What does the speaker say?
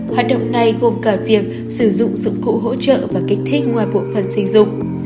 hoạt động này gồm cả việc sử dụng dụng cụ hỗ trợ và kích thích ngoài bộ phận sinh dục